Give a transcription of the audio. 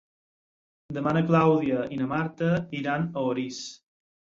Demà na Clàudia i na Marta iran a Orís.